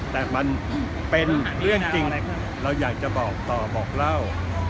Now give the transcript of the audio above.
แต่มันเป็นเรื่องจริงเราอยากจะบอกต่อบอกเล่า